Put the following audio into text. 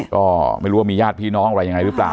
ก็ไม่รู้ว่ามีญาติพี่น้องอะไรยังไงหรือเปล่า